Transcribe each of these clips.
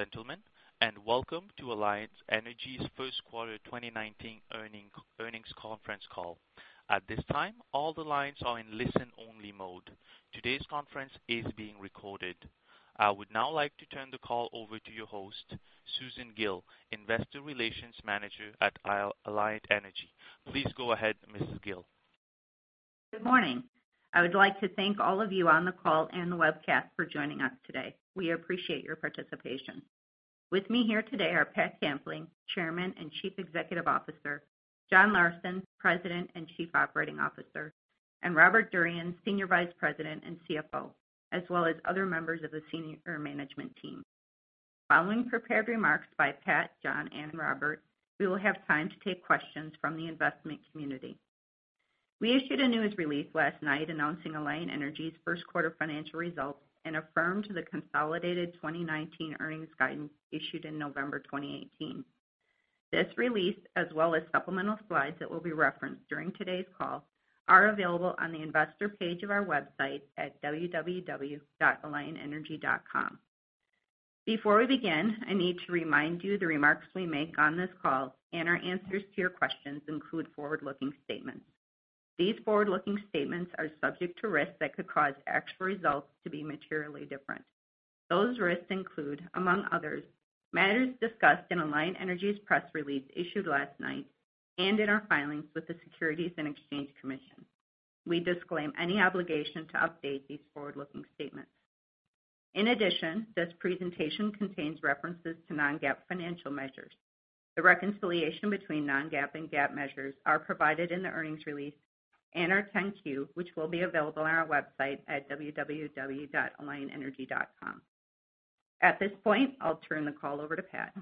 Ladies and gentlemen, welcome to Alliant Energy's first quarter 2019 earnings conference call. At this time, all the lines are in listen-only mode. Today's conference is being recorded. I would now like to turn the call over to your host, Susan Gille, Investor Relations Manager at Alliant Energy. Please go ahead, Mrs. Gille. Good morning. I would like to thank all of you on the call and the webcast for joining us today. We appreciate your participation. With me here today are Patricia Kampling, Chairman and Chief Executive Officer, John Larsen, President and Chief Operating Officer, and Robert Durian, Senior Vice President and CFO, as well as other members of the senior management team. Following prepared remarks by Pat, John, and Robert, we will have time to take questions from the investment community. We issued a news release last night announcing Alliant Energy's first quarter financial results and affirmed the consolidated 2019 earnings guidance issued in November 2018. This release, as well as supplemental slides that will be referenced during today's call, are available on the investor page of our website at www.alliantenergy.com. Before we begin, I need to remind you the remarks we make on this call and our answers to your questions include forward-looking statements. These forward-looking statements are subject to risks that could cause actual results to be materially different. Those risks include, among others, matters discussed in Alliant Energy's press release issued last night and in our filings with the Securities and Exchange Commission. We disclaim any obligation to update these forward-looking statements. In addition, this presentation contains references to non-GAAP financial measures. The reconciliation between non-GAAP and GAAP measures are provided in the earnings release and our 10-Q, which will be available on our website at www.alliantenergy.com. At this point, I'll turn the call over to Pat.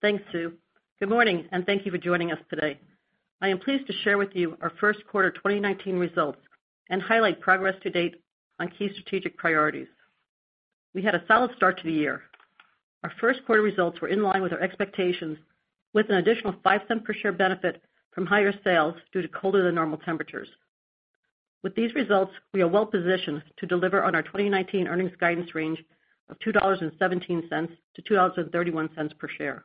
Thanks, Sue. Good morning, thank you for joining us today. I am pleased to share with you our first quarter 2019 results and highlight progress to date on key strategic priorities. We had a solid start to the year. Our first quarter results were in line with our expectations, with an additional $0.05 per share benefit from higher sales due to colder than normal temperatures. With these results, we are well-positioned to deliver on our 2019 earnings guidance range of $2.17-$2.31 per share.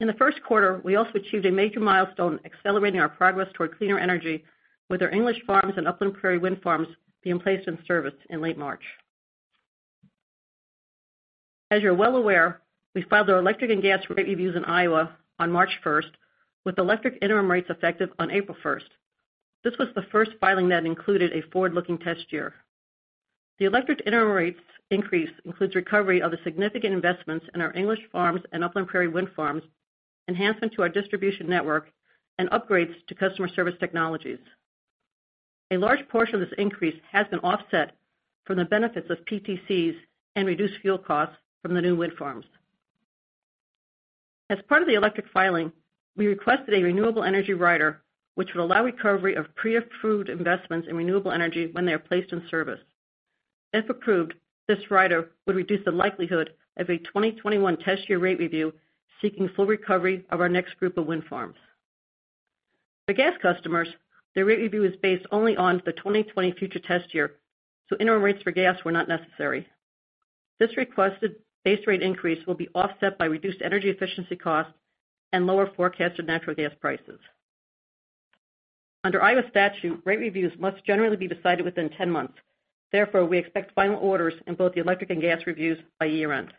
In the first quarter, we also achieved a major milestone accelerating our progress toward cleaner energy with our English Farms and Upland Prairie Wind Farms being placed in service in late March. As you're well aware, we filed our electric and gas rate reviews in Iowa on March 1st, with electric interim rates effective on April 1st. This was the first filing that included a forward-looking test year. The electric interim rates increase includes recovery of the significant investments in our English Farms and Upland Prairie Wind Farms, enhancement to our distribution network, and upgrades to customer service technologies. A large portion of this increase has been offset from the benefits of PTCs and reduced fuel costs from the new wind farms. As part of the electric filing, we requested a renewable energy rider, which would allow recovery of pre-approved investments in renewable energy when they are placed in service. If approved, this rider would reduce the likelihood of a 2021 test year rate review seeking full recovery of our next group of wind farms. For gas customers, their rate review is based only on the 2020 future test year. Interim rates for gas were not necessary. This requested base rate increase will be offset by reduced energy efficiency costs and lower forecasted natural gas prices. Under Iowa statute, rate reviews must generally be decided within 10 months. We expect final orders in both the electric and gas reviews by year-end.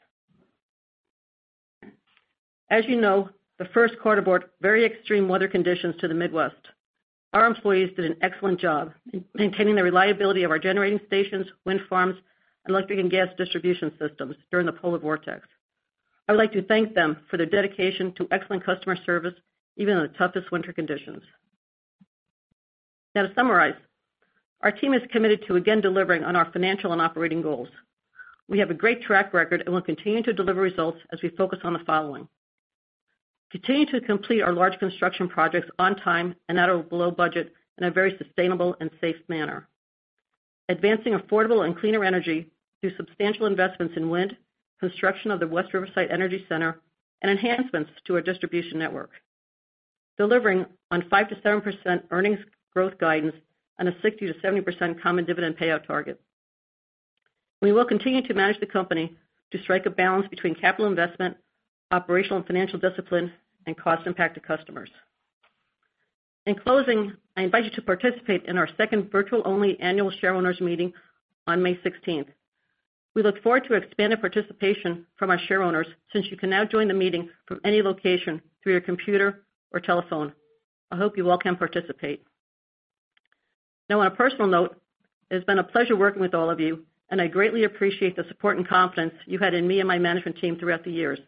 As you know, the first quarter brought very extreme weather conditions to the Midwest. Our employees did an excellent job in maintaining the reliability of our generating stations, wind farms, electric and gas distribution systems during the polar vortex. I'd like to thank them for their dedication to excellent customer service, even in the toughest winter conditions. To summarize, our team is committed to again delivering on our financial and operating goals. We have a great track record and will continue to deliver results as we focus on the following. Continue to complete our large construction projects on time and at or below budget in a very sustainable and safe manner. Advancing affordable and cleaner energy through substantial investments in wind, construction of the West Riverside Energy Center, and enhancements to our distribution network. Delivering on 5%-7% earnings growth guidance on a 60%-70% common dividend payout target. We will continue to manage the company to strike a balance between capital investment, operational and financial discipline, and cost impact to customers. In closing, I invite you to participate in our second virtual-only annual shareowners meeting on May 16th. We look forward to expanded participation from our shareowners since you can now join the meeting from any location through your computer or telephone. I hope you all can participate. On a personal note, it's been a pleasure working with all of you, and I greatly appreciate the support and confidence you had in me and my management team throughout the years.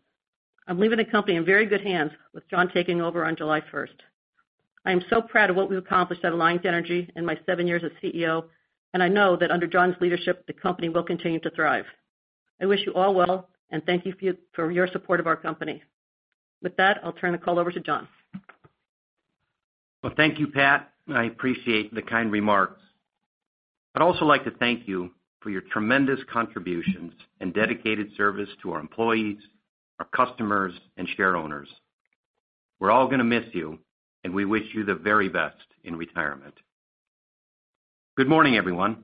I'm leaving the company in very good hands with John taking over on July 1st. I am so proud of what we've accomplished at Alliant Energy in my seven years as CEO. I know that under John's leadership, the company will continue to thrive. I wish you all well, and thank you for your support of our company. With that, I'll turn the call over to John. Well, thank you, Pat. I appreciate the kind remarks. I'd also like to thank you for your tremendous contributions and dedicated service to our employees, our customers, and shareowners. We're all going to miss you, and we wish you the very best in retirement. Good morning, everyone.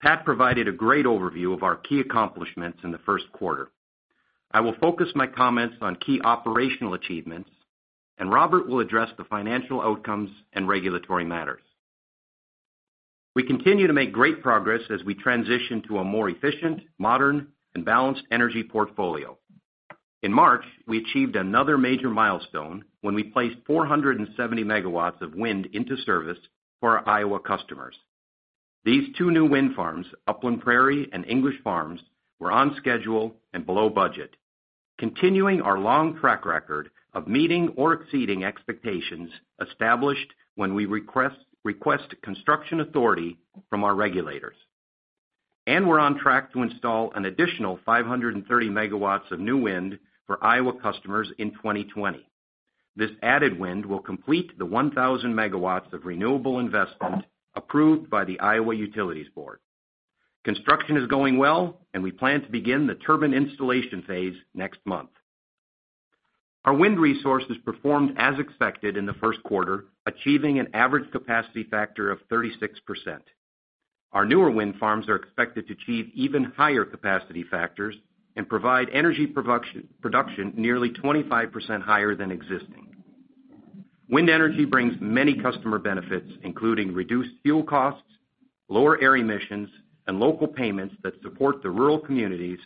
Pat provided a great overview of our key accomplishments in the first quarter. Robert will address the financial outcomes and regulatory matters. We continue to make great progress as we transition to a more efficient, modern, and balanced energy portfolio. In March, we achieved another major milestone when we placed 470 megawatts of wind into service for our Iowa customers. These two new wind farms, Upland Prairie and English Farms, were on schedule and below budget, continuing our long track record of meeting or exceeding expectations established when we request construction authority from our regulators. We're on track to install an additional 530 megawatts of new wind for Iowa customers in 2020. This added wind will complete the 1,000 megawatts of renewable investment approved by the Iowa Utilities Board. Construction is going well, and we plan to begin the turbine installation phase next month. Our wind resources performed as expected in the first quarter, achieving an average capacity factor of 36%. Our newer wind farms are expected to achieve even higher capacity factors and provide energy production nearly 25% higher than existing. Wind energy brings many customer benefits, including reduced fuel costs, lower air emissions, and local payments that support the rural communities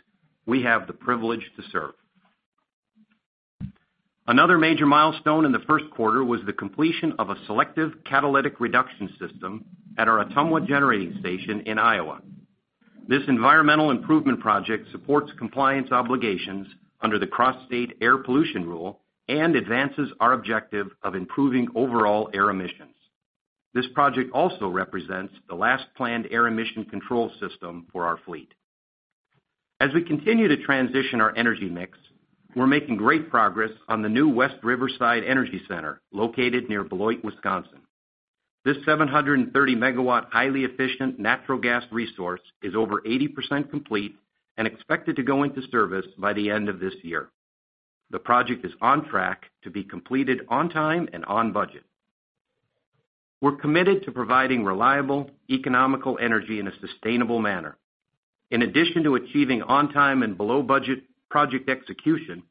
we have the privilege to serve. Another major milestone in the first quarter was the completion of a selective catalytic reduction system at our Ottumwa generating station in Iowa. This environmental improvement project supports compliance obligations under the Cross-State Air Pollution Rule and advances our objective of improving overall air emissions. This project also represents the last planned air emission control system for our fleet. As we continue to transition our energy mix, we're making great progress on the new West Riverside Energy Center, located near Beloit, Wisconsin. This 730-megawatt, highly efficient natural gas resource is over 80% complete and expected to go into service by the end of this year. The project is on track to be completed on time and on budget. We're committed to providing reliable, economical energy in a sustainable manner. In addition to achieving on-time and below-budget project execution,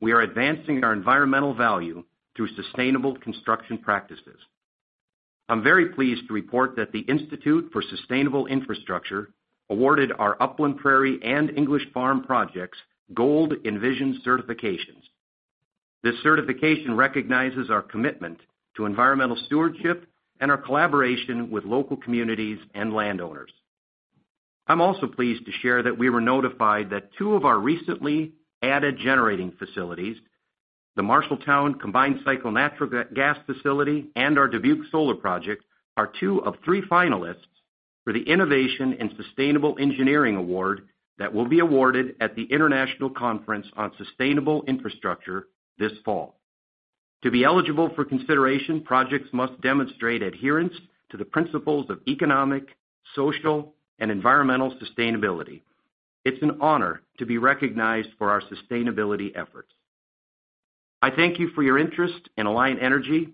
we are advancing our environmental value through sustainable construction practices. I'm very pleased to report that the Institute for Sustainable Infrastructure awarded our Upland Prairie and English Farms projects Gold Envision certifications. This certification recognizes our commitment to environmental stewardship and our collaboration with local communities and landowners. I'm also pleased to share that we were notified that two of our recently added generating facilities, the Marshalltown Combined Cycle Natural Gas Facility and our Dubuque Solar Project, are two of three finalists for the Innovation in Sustainable Engineering Award that will be awarded at the International Conference on Sustainable Infrastructure this fall. To be eligible for consideration, projects must demonstrate adherence to the principles of economic, social, and environmental sustainability. It's an honor to be recognized for our sustainability efforts. I thank you for your interest in Alliant Energy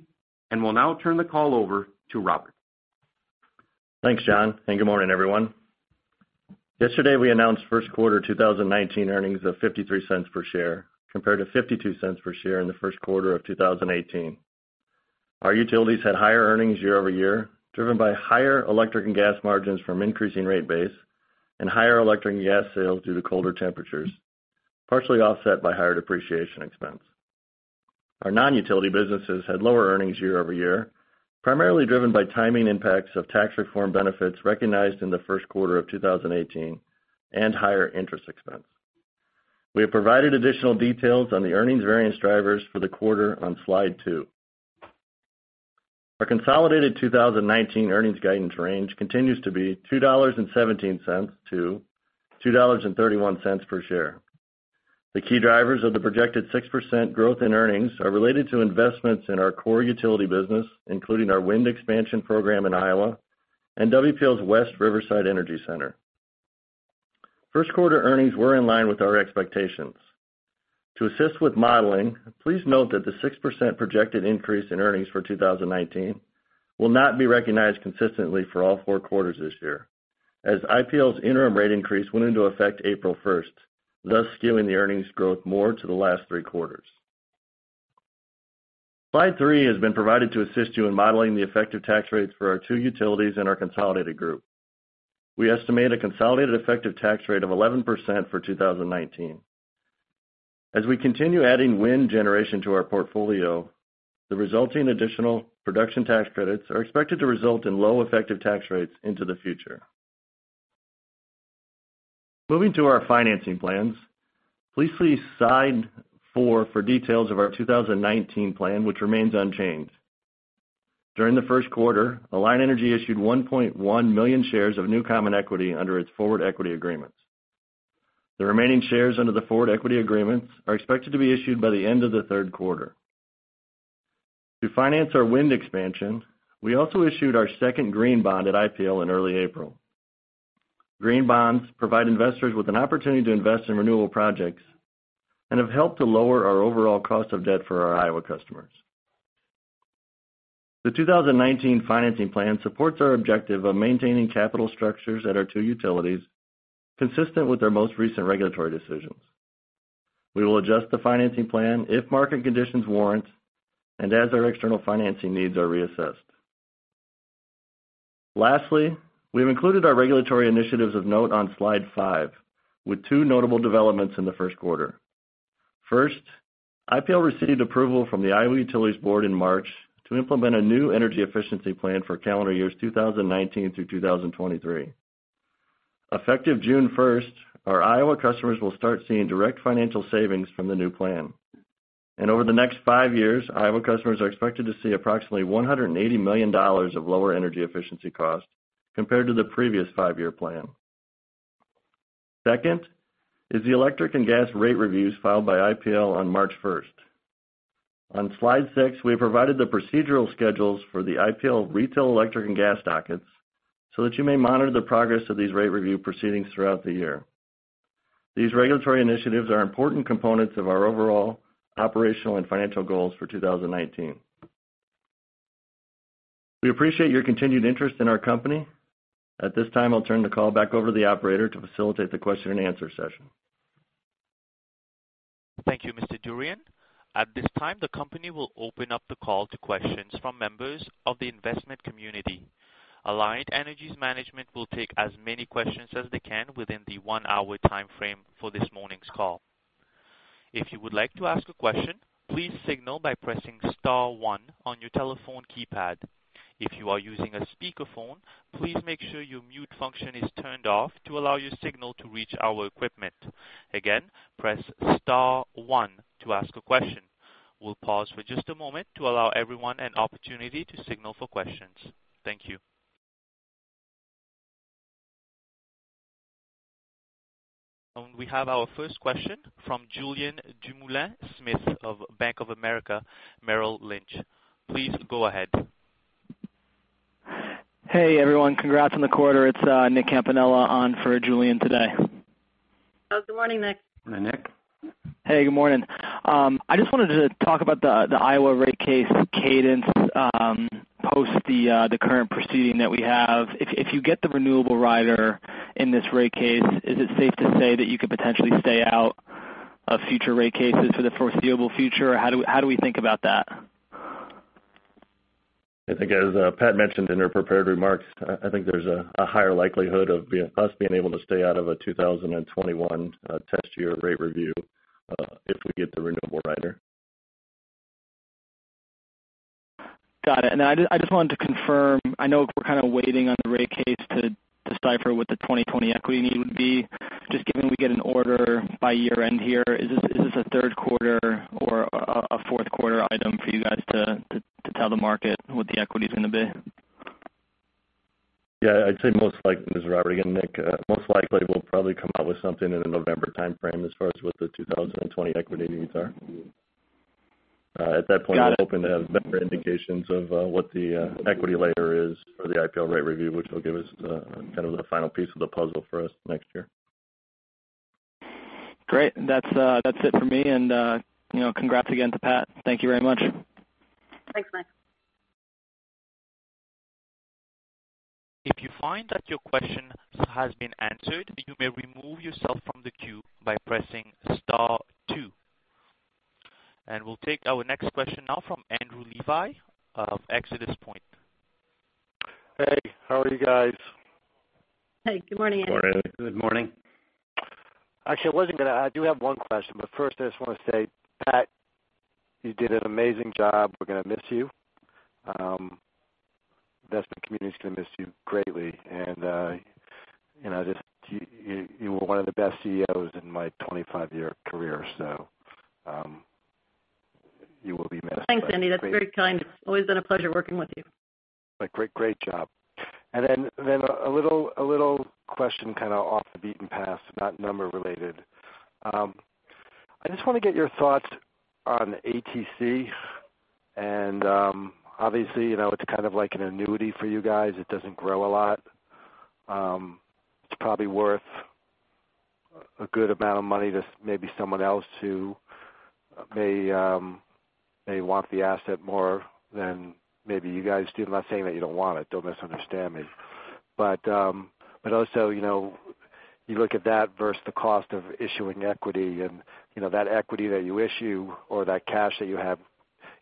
and will now turn the call over to Robert. Thanks, John, and good morning, everyone. Yesterday, we announced first quarter 2019 earnings of $0.53 per share compared to $0.52 per share in the first quarter of 2018. Our utilities had higher earnings year-over-year, driven by higher electric and gas margins from increasing rate base and higher electric and gas sales due to colder temperatures, partially offset by higher depreciation expense. Our non-utility businesses had lower earnings year-over-year, primarily driven by timing impacts of tax reform benefits recognized in the first quarter of 2018 and higher interest expense. We have provided additional details on the earnings variance drivers for the quarter on slide two. Our consolidated 2019 earnings guidance range continues to be $2.17-$2.31 per share. The key drivers of the projected 6% growth in earnings are related to investments in our core utility business, including our wind expansion program in Iowa and WPL's West Riverside Energy Center. First quarter earnings were in line with our expectations. To assist with modeling, please note that the 6% projected increase in earnings for 2019 will not be recognized consistently for all four quarters this year, as IPL's interim rate increase went into effect April 1st, thus skewing the earnings growth more to the last three quarters. Slide three has been provided to assist you in modeling the effective tax rates for our two utilities and our consolidated group. We estimate a consolidated effective tax rate of 11% for 2019. As we continue adding wind generation to our portfolio, the resulting additional production tax credits are expected to result in low effective tax rates into the future. Moving to our financing plans. Please see slide four for details of our 2019 plan, which remains unchanged. During the first quarter, Alliant Energy issued 1.1 million shares of new common equity under its forward equity agreements. The remaining shares under the forward equity agreements are expected to be issued by the end of the third quarter. To finance our wind expansion, we also issued our second green bond at IPL in early April. Green bonds provide investors with an opportunity to invest in renewable projects and have helped to lower our overall cost of debt for our Iowa customers. The 2019 financing plan supports our objective of maintaining capital structures at our two utilities, consistent with our most recent regulatory decisions. We will adjust the financing plan if market conditions warrant and as our external financing needs are reassessed. Lastly, we've included our regulatory initiatives of note on slide five, with two notable developments in the first quarter. First, IPL received approval from the Iowa Utilities Board in March to implement a new energy efficiency plan for calendar years 2019 through 2023. Effective June 1st, our Iowa customers will start seeing direct financial savings from the new plan. Over the next five years, Iowa customers are expected to see approximately $180 million of lower energy efficiency cost compared to the previous five-year plan. Second is the electric and gas rate reviews filed by IPL on March 1st. On slide six, we have provided the procedural schedules for the IPL retail electric and gas dockets so that you may monitor the progress of these rate review proceedings throughout the year. These regulatory initiatives are important components of our overall operational and financial goals for 2019. We appreciate your continued interest in our company. At this time, I'll turn the call back over to the operator to facilitate the question and answer session. Thank you, Mr. Durian. At this time, the company will open up the call to questions from members of the investment community. Alliant Energy's management will take as many questions as they can within the one-hour timeframe for this morning's call. If you would like to ask a question, please signal by pressing star one on your telephone keypad. If you are using a speakerphone, please make sure your mute function is turned off to allow your signal to reach our equipment. Again, press star one to ask a question. We'll pause for just a moment to allow everyone an opportunity to signal for questions. Thank you. We have our first question from Julien Dumoulin-Smith of Bank of America Merrill Lynch. Please go ahead. Hey, everyone. Congrats on the quarter. It's Nicholas Campanella on for Julien today. Oh, good morning, Nick. Morning, Nick. Hey, good morning. I just wanted to talk about the Iowa rate case cadence, post the current proceeding that we have. If you get the renewable energy rider in this rate case, is it safe to say that you could potentially stay out of future rate cases for the foreseeable future? How do we think about that? I think as Pat mentioned in her prepared remarks, I think there's a higher likelihood of us being able to stay out of a 2021 test year rate review, if we get the renewable energy rider. Got it. I just wanted to confirm, I know we're kind of waiting on the rate case to decipher what the 2020 equity need would be. Just given we get an order by year-end here, is this a third quarter or a fourth-quarter item for you guys to tell the market what the equity's going to be? Yeah, this is Robert again, Nick. Most likely, we'll probably come out with something in the November timeframe as far as what the 2020 equity needs are. Got it. At that point, we're hoping to have better indications of what the equity layer is for the IPL rate review, which will give us kind of the final piece of the puzzle for us next year. Great. That's it for me. Congrats again to Pat. Thank you very much. Thanks, Nick. If you find that your question has been answered, you may remove yourself from the queue by pressing star two. We'll take our next question now from Andrew Levi of ExodusPoint. Hey, how are you guys? Hey, good morning, Andy. Morning, Andy. Good morning. Actually, I wasn't going to. I do have one question, but first I just want to say, Pat, you did an amazing job. We're going to miss you. Investment community's going to miss you greatly. You were one of the best CEOs in my 25-year career, you will be missed. Thanks, Andy. That's very kind. It's always been a pleasure working with you. A little question kind of off the beaten path, not number related. I just want to get your thoughts on ATC, obviously, it's kind of like an annuity for you guys. It doesn't grow a lot. It's probably worth a good amount of money to maybe someone else who may want the asset more than maybe you guys do. I'm not saying that you don't want it, don't misunderstand me. You look at that versus the cost of issuing equity, and that equity that you issue or that cash that you have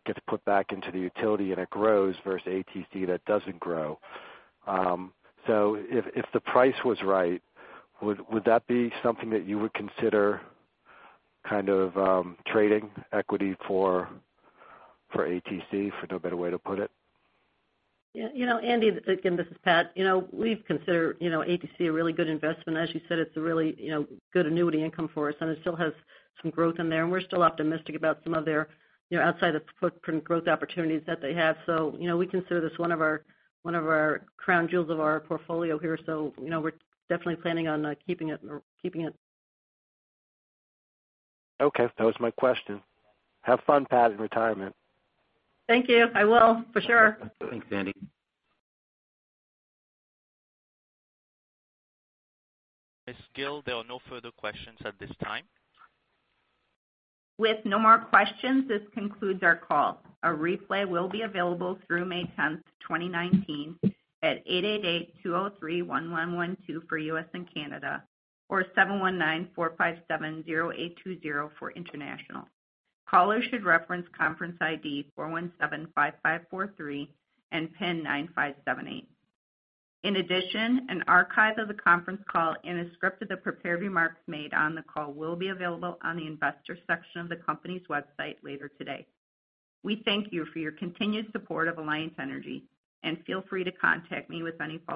gets put back into the utility, and it grows versus ATC that doesn't grow. If the price was right, would that be something that you would consider kind of trading equity for ATC, for no better way to put it? Yeah. Andy, again, this is Pat. We've considered ATC a really good investment. As you said, it's a really good annuity income for us, and it still has some growth in there, and we're still optimistic about some of their outside of footprint growth opportunities that they have. We consider this one of our crown jewels of our portfolio here. We're definitely planning on keeping it. Okay. That was my question. Have fun, Pat, in retirement. Thank you. I will, for sure. Thanks, Andy. Miss Gille, there are no further questions at this time. With no more questions, this concludes our call. A replay will be available through May 10th, 2019 at 888-203-1112 for U.S. and Canada, or 719-457-0820 for international. Callers should reference conference ID 4175543 and PIN 9578. In addition, an archive of the conference call and a script of the prepared remarks made on the call will be available on the Investors section of the company's website later today. We thank you for your continued support of Alliant Energy, and feel free to contact me with any follow-up